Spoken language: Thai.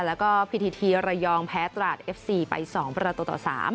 แล้วก็พิธีทีระยองแพ้ตราดเอฟซีไป๒ประตูต่อ๓